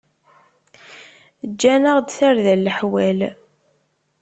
Ǧǧan-aɣ-d tarda n leḥwal.